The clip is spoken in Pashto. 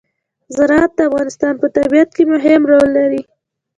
زراعت د افغانستان په طبیعت کې مهم رول لري.